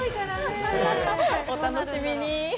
お楽しみに。